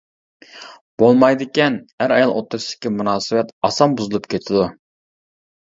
بولمايدىكەن ئەر-ئايال ئوتتۇرىسىدىكى مۇناسىۋەت ئاسان بۇزۇلۇپ كېتىدۇ.